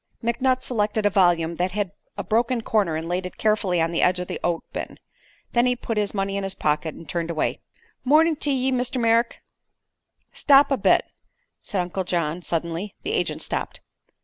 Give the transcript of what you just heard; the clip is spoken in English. McNutt selected a volume that had a broken corner and laid it carefully on the edge of the oat bin. Then he put his money in his pocket and turned away. "Morn'n' to ye, Mr. Merrick." "Stop a bit," said Uncle John, suddenly. The agent stopped.